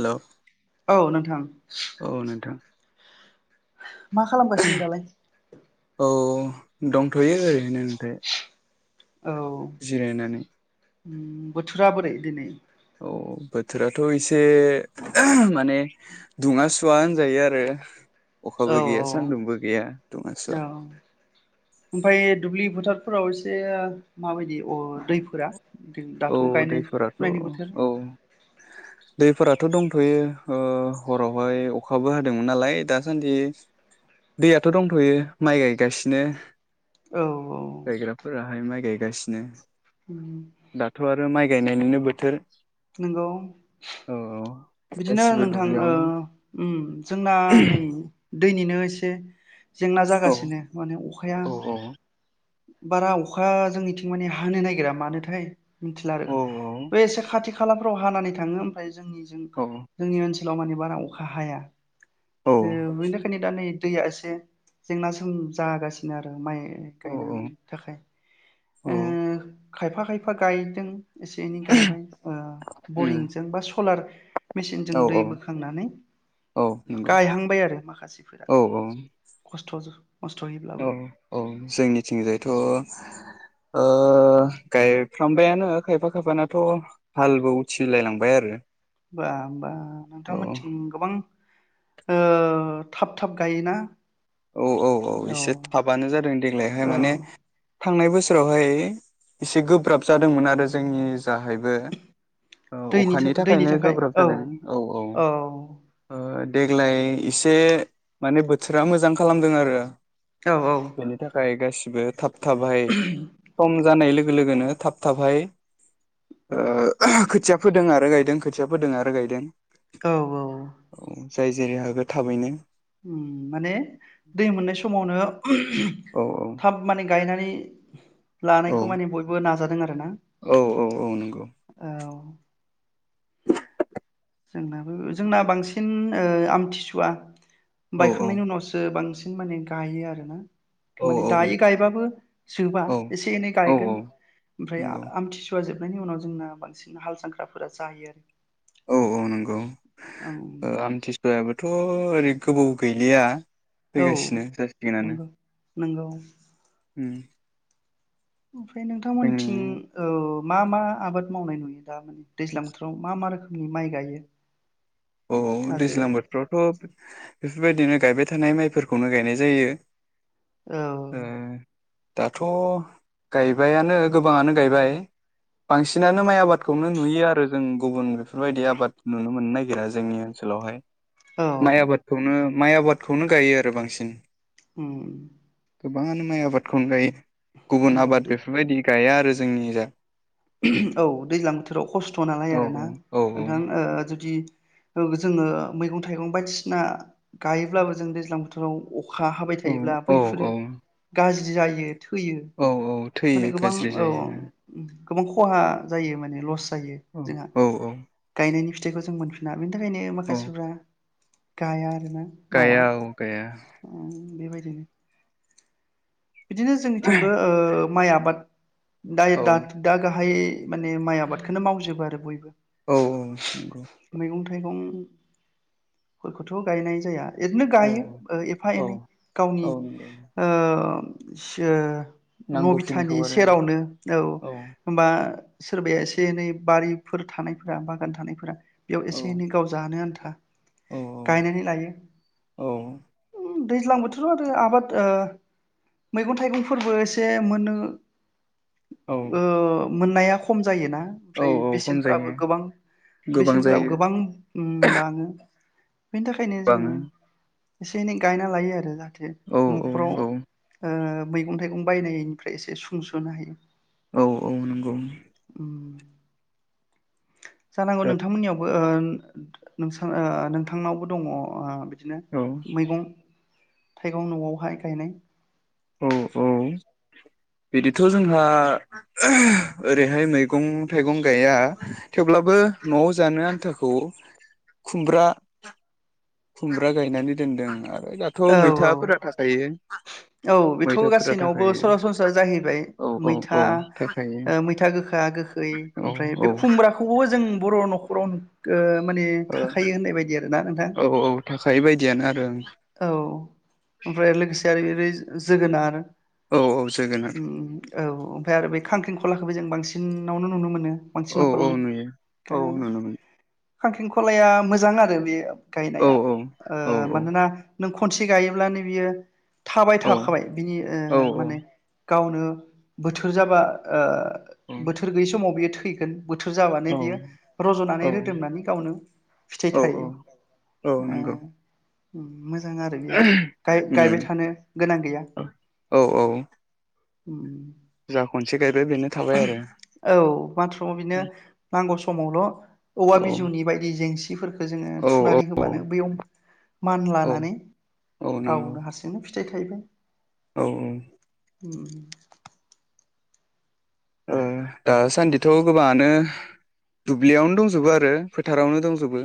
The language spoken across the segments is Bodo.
हेल' औ नोंथां औ नोंथां मा खालामगासिनो दालाय औ दंथ'यो ओरैनो ओमफाय जिरायनानै बोथोराबोरै दिनै औ बोथोराथ' एसे माने दुङा सुवा होनजायो आरो औ अखाबो औ गैया सान्दुंबो गैया दुङा सुवा औ ओमफ्राय दुब्लि फोथार फोराव एसे माबायदि अ दैफोरा औ दाथ' गायनाय दैफोराथ' फुनायनि बोथोर औ दैफोराथ' दं दथ'यो हरावहाय अखाबो हादोंमोन नालाय दासान्दि दैयाथ' दंथ'यो माइ गायगासिनो औ औ बेहाय माइ गायगासिनो दाथ' आरो माइ गायनायनिनो बोथोर नंगौ औ बिदिनो गासिबो नोंथां दुब्लियावनो जोंना नै दैनिनो एसे जेंना औ जागासिनो माने अखाया औ औ बारा अखा जोंनिथिं माने हानो नागिरा मानोथाय मिथिला आरो औ औ बे एसे खाथि खालाम फ्राव हानानै थाङो ओमफ्राय जोंनिजों औ जोंनि ओनसोल माबा ना अखा हाया औ जो बिनिखायनो दा नै दैया एसे जेंना सोम जागासिनो आरो माइ औ औ गायनायनि थाखाय ओ खायफा खायफा गायदों एसे एनै गायबाय ओ उम बरिंजों बा सलार औ मेचिनजों दै औ बोखांनानै औ नंगौ गायहांबाय आरो माखासेफोरा औ खस्थ' मस्थ'यैब्लाबो औ औ जोंनि बिथिंजायथ' ओ गायफ्रामबायानो खायफा खायफानाथ' हालबो उथिलाय लांबाय आरो होबा होमबा औ नोंथांमोनथिं गोबां ओ थाब थाब गायोना औ औ औ एसे थाबानो जादों देग्लायहाय औ माने थांनाय बोसोरावहाय एसे गोब्राब जादोंमोन आरो जोंनि जाहायबो ओ दैनि अखानि दैनि थाखायनो थाखाय गोब्राब औ जादों औ औ देग्लाय एसे माने बोथोरा मोजांखाय खालामदों आरो औ बेनि थाखाय गास बो थाब थाबाय खम जानाय लोगो लोगो लोगोनो थाब थाबहाय ओ‌ खोथियाफोर फोदों आरो गायदों खोथिया फोदों आरो गायदों औ औ औ जाय जेरै हागो थाबैनो उम माने दै मोननाय समावनो औ थाब माने गायनानै लानायखौ माने बयबो नाजादों आरो ना औ औ औ नंगौ औ जोंनाबो जोंना बांसिन ओ आमथिसुवा औ औ बायखांनायनि उनावसो बांसिन सिन माने गायो आरो ना औ माने दायै गायबाबो जोबा औ एसे एनै औ औ गायगोन ओमफ्राय नंगौ आमथिसुवा जोब खारनायनि उनाव जोंना बांसिन हाल जांख्राफोरा जायो आरो औ औ नंगौ ओं आमथिसुवायाबो थ' ओरै गोबाव गैलिया औ फैगासिनो जासिगोनानो नंगौ नंगौ उम ओमफ्राय नोंथांमोनथिं जोंनि औ मा मा आबाद मावनाय नुयो? दा माने दैज्लां बोथोराव मा मा रोखोमनि? नि माइ गायो? अ अ आरो दैज्लां बोथफ्रावथ' बेफोरबायदिनो गायबाय थानाय माइफोरखौनो गायनाय जायो। औ अ दाथ' गायबायानो गोबाङानो गायबाय बांसिन बिसिनानो माइ आबादखौनो नुयो आरो जों गुबुन बेफोरबायदि आबाद नुनो मोननो नागिरा जोंनि ओनसोलावहाय औ माइ आबादखौनो माइ आबादखौनो गायो आरो बांसिन होम गोबाङानो माइ आबादखौनो गायो गुबुन नंगौ आबाद बेफोरबायदि गाया आरो जोंनि जा औ दैज्लां बोथोराव खस्थ' नालाय औ आरोना औ नोंथां ओ जुदि जोङो मैगं थाइगं बायदिसिना गायोब्लाबो जों दैज्लां बोथोराव अखा हाबाय औ थायोब्ला औ बैफोर औ गाज्रि जायो थैयो औ औ माने थैयो गोबां गाज्रि जायो औ गोबां खहा जायो माने लस ज औ जोंहा औ गायनायनि फि थैबा जों मोनफिना बेनि थाखायनो औ माखासेफ्रा [unintelligible] बिनो मावा गाया औ गाया बेबायदिनो बिदिनो जोंनिथिंबो ओ माइ आबाद दायो औ दा गाहाइयै माने माइ आबादखौनो मावजोबो आरो बयबो औ नंगौ मैगं थाइगं फोरखौथ' गायनाय जाया इदिनो औ गायो एफा औ एनै गावनि औ नंगौ ओ से नबिथानि नांगौखिनिखौ आरो सेरावनो औ होमबा सोरबाया एसे एनै बारिफोर थानायफोरा बागान थानायफोरा बेयाव औ एसे एनै गाव जानो आनथा था औ गायनानै औ लायो दैज्लां बोथोराव आरो आबाद ओ मैगं थाइगंफोरबो एसे मोननो औ ओ मोननाया खम जायोना औ ओमफ्राय औ खम बेसेनफोराबो जायो गोबां गोबां बेसेनफोराबो जायो गोबां बाङो बेनि थाखायनो जोङो बाङो एसे एनै गायना लायो आरो औ औ न'खराव औ ओ मैगं थाइगं बायनायनिफ्राय एसे सुंस'नो हायो औ औ नोंगौ उम जानांगौ बिराद नोंथांमोननियावबो ओ ओ नोंथांनावबो दङ ओ बिदिनो औ मैगं थाइगं न'आवहाय गायनाय औ औ बिदिथ' जोंहा ओरैहाय मैगं थाइगं गाया थेवब्लाबो न'आव जानो आन्थाखौ खुमब्रा खुमब्रा गायनानै दोनदों आरो ओमफ्राय दाथ' औ औ मैथाफोरा थाखायो औ बेथ' मैथाफोरा गासैनावबो थाखायो सरासनस्रा जाहैबाय औ औ मैथा औ थाखायो मैथा गोखा गोखै औ ओमफ्राय बे औ खुमब्राखौबो जों बर' न'खराव माने थाखायो होननाय बायदि आरो नोंथां औ औ थाखायो बायदियानो आरो औ ओमफ्राय लोगोसे आरो जोगोनार आरो ओं औ औ जोगोनार औ ओमफ्राय आरो बेै खांख्रिखलाखौबो जों बांसिन बांसिनावनो नुनो मोनो बांसिन औ औ न'खरावनो नुयो औ नुनो मोनो खांख्रिखलाया मोजां आरो बेयो औ गायनाया औ औ मानोना नों खनसे गायोब्लानो बियो थाबाय औ थाखाबाय बिनि औ माने गावनो बोथोर जाबा ओ बोथोर गैयै समाव बियो थैगोन बोथोर जाबानो बियो रज'नानै औ रोदोमनानै गावनो फिथाइ औ थायो औ ओ नंगौ उम मोजां आरो बेयो उम गायबाय थानो गोनां औ औ उम जा खनसे गायबाय बेनो थाबाय आरो औ माथ्र बिनो नांगौ समावल' औवा औ बिजौनि बायदि जेंसि जिफोरखौ जोङो औ थुनानै औ होबानो बेयाव औ मानलानानै औ नांगौ गावनो हारसिंनो फिथाइ थायबाय औ औ उम दासान्दिथ' गोबाङानो दुब्लियावनो दंजोबो आरो फोथारावनो दंजोबो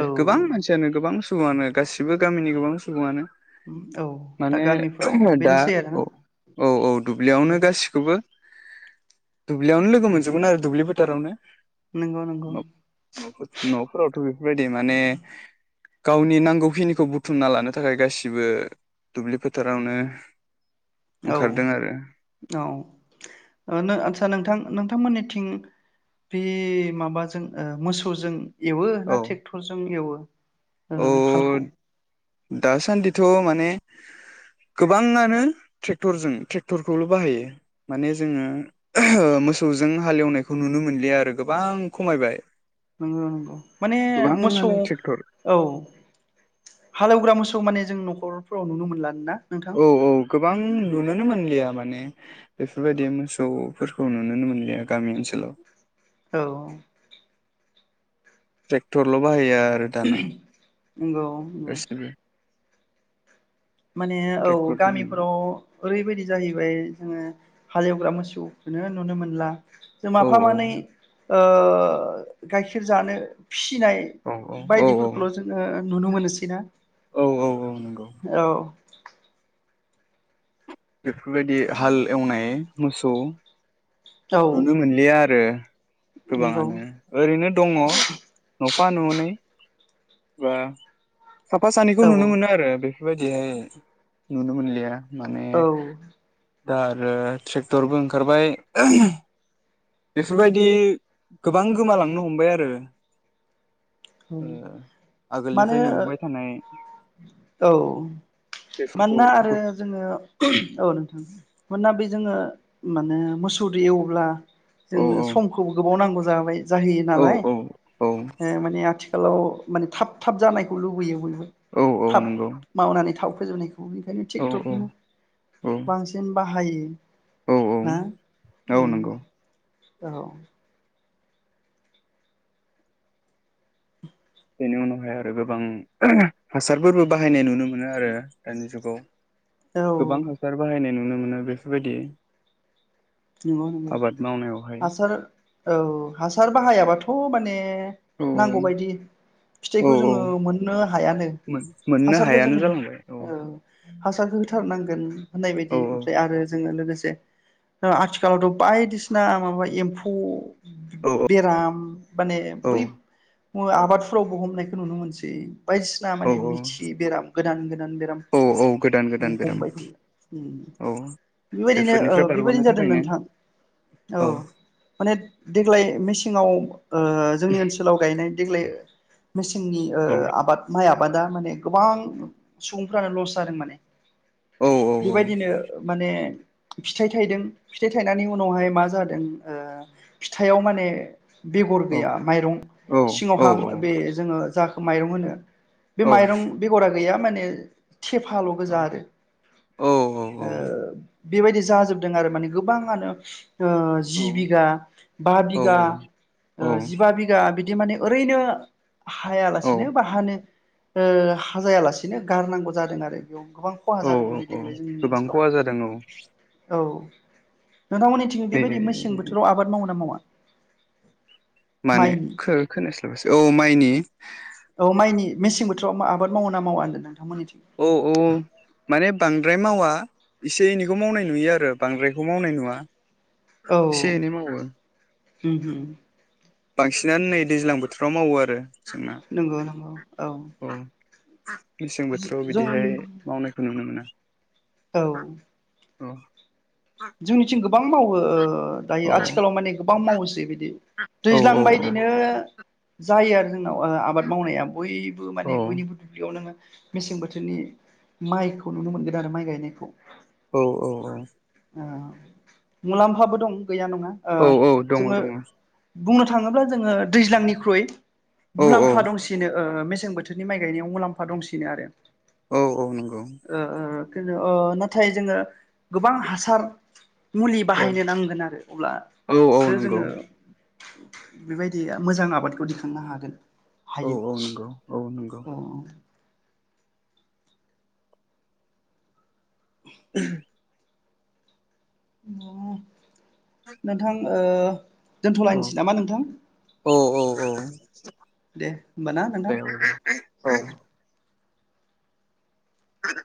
औ गोबां मानसियानो गोबां सुबुङानो गासिबो गामिनि गोबां सुबुङानो औ दा माने गामिफ्राव दा बेनोसै आरोना औ औ औ औ दुब्लियावनो गासिखौबो दुब्लियावनो लोगो मोनजोबगोन आरो दुब्लि फोथोरावनो नंगौ नंगौ नफोरावथ' [unintelligible] बेफोरबायदि माने गावनि नांगौखिनिखौ बुथुमना लानो थाखाय गासिबो दुब्लि फोथारावनो औ ओंखारदों आरो औ अ नो आतसा नोंथां नोंथांमोननिथिं बि माबाजों ओ मोसौजों एवो औ ना टेक्टरजों एवो औ ओं हालखौ दासान्दिथ' माने गोबाङानो ट्रेक्टरजों ट्रेक्टरखौल' बाहायो माने जोङो ओ मोसौजों हालेवनायखौ नुनो मोनलिया आरो गोबां खमायबाय नंगौ नंगौ माने मोसौ गोबाङानो ट्रेक्टर औ हालेवग्रा मोसौ माने जों न'खरफोराव नुनो मोनलानो ना नोंथां औ औ गोबां नुनोनो मोनलिया माने बेफोरबायदि मोसौफोरखौ नुुनो मोनलिया गामि ओनसोलाव औ ट्रेक्टरल' बाहाया नोंगौ गासिबो नोंगौ माने औ ट्रेक्टरजों गामिफोराव ओरैबायदि जाहैबाय जोङो हालेवग्रा मोसौखोनो नुनो मोनला जों औ माफा औ मानै ओ गाइखेर जानो फिसिनाय औ औ औ बायदिफोरखौल' जोङो नुनो मोनोसै ना औ औ औ नोंगौ औ बेफोरबायदि हाल एवनाय मोसौ औ नुनो मोनलिया आरो [inaudible] नंगौ गोबाङानो ओरैनो दङ न फा न'नै बा साफा सानैखौ औ नुनो मोनो आरो बे फोरबायदिहाय नुनो मोनलिया माने औ दा आरो ट्रेक्टरबो ओंखारबाय [unintelligible] बेफोरबायदि गोबां गोमालांनो हमबाय आरो औ ओ माने आगोलनिफ्राय नुबोबाय थानाय ओ औ बेफोरखौ मानोना आरो जोङो औ नोंथां मानोना बे जोङो माने मोसौदो एवब्ला औ जोंनो औ समखौबो गोबाव नांगौ जाबाय जाहैयो औ नालाय औ औ ओ माने आथिखालाव माने थाब थाब जानायखौ लुबैयो बयबो औ औ थाब नंगौ मावनानै थाव फोजोबनाय बेखायनो औ ट्रेक्टरखौनो औ बांसिन बा हायो औ हा औ ओम नंगौ औ बेनि उनावहाय आरो गोबां [unintelligible] हासारफोरबो बाहायनाय नुनो मोनो आरो दानि जुगाव औ गोबां हासार बाहायनाय नु नुनो मोनो बेफोरबायदि नंगौ नंगौ आबाद मावनायावहाय हासार औ हासार बाहाया बा थ' माने औ नांगौ बायदि औ फिथाइखौ औ जोङो मोननो हायानो मोननो हासारखौ हायानो जोङो जालांबाय औ ओ हासारखौ हो होथारनांगोन होननाय औ बायदि ओमफ्राय आरो जों लोगोसे जे ओ आथिखालावथ' बायदिसिना माबा एम्फौ औ बेराम माने औ बै ओ आबादफोरावबो हमनायखौ नुनो मोनसै बायदिसिना औ माने मिथियै बेराम गोदान गोन औ औ गोदान गोदान बेराम थायो औ बेबायदिनो बेफोरनिफ्राय बार बेबायदिनो जादों नोंथां औ माने देग्लाय मेसेंआव ओ जोंनि ओनसोलाव गायनाय देग्लाय मेसेंनि ओ औ आबाद माइ आबाद आबादा माने गोबां सुबुंफ्रानो लस जादों माने औ बेबायदिनो माने [unintelligible] फिथाइ थाइदों फिथाइ थाइनायनि उनावहाय मा जादों ओ फिथाइाव माने बेगर औ गैया माइरं औ सिङावहा औ बे जोङो जाखौ माइरं होनो बे माइरं बेगरा गैया माने थेफाल' गोजा आरो ओ बेबायदि जा जोबदों आरो माने गोबाङानो ओ औ जि बिघा बा औ बिघा औ औ ओ जिबा बिघा बिदि बिदि माने ओरैनो औ हायालासिनो बा हानो ओ हाजायालासेनो गारनांगौ जादों आरो बेयाव गोबां खहा औ जादों माने औ देग्लाय जोंनि गोबां ओनसोलाव खहा जादों औ औ नोंथांमोननिथिं बे बेबायदि मेसें बोथोराव आबाद मावो ना मावा माने माइनि खोनास्लाबसै औ माइनि औ माइनि मेसें बोथोराव आबाद मावो ना मावा होनदों नोंथां औ औ माने बां बांद्राय मावा एसे एनैखौ मावनाय नुयो आरो बांद्रायखौ मावनाय नुवा औ एसे एनै मावो होम होम बांसिनानो नै दैज्लां बोथोराव मावो आरो जोंना नंगौ नंगौ औ मेसें बोथोराव जों बिदिहाय मावनायखौ नुनो मोना औ औ जोंनिथि गोब गोबां मावो ओ दायो औ आथिखालाव माने गोबां मावोसै बिदि औ दैज्लां बायदिनो जायो आरो जोंनाव आबाद मावनाया बयबो औ माने बयनिबो दुब्लियाव नोङो मेसें बोथोरनि माइखौ नुनो मोनगोन आरो माइ गायनायखौ औ ओ मुलाम्फाबो दं गैया नङा ओ औ औ दङ जोङो दङ बुंनो थाङोब्ला जोङो दैज्लांनिख्रुइ औ औ मुलाम्फा दंसिनो ओ मेस मेसें बोथोरनि माइ गायनायाव मुलाम्फा दंसिनो आरो औ औ नंगौ ओ ओ नाथाय जोङो गोबां हासा सार मुलि औ बाहायनो नांगोन आरो औ औ अब्लासो नंगौ जोङो बेबायदि मोजां आबादखौ दिखांनो हागोन औ हायो औ नंगौ औ नंगौ औ [unintelligible] नोंथां ओ औ दोनथ'लायनोसै नामा नोंथां औ औ दे होमबा ना दे नोंथां औ दे औ आदा